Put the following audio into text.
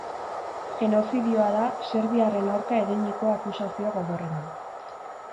Genozidioa da serbiarren aurka eginiko akusazio gogorrena.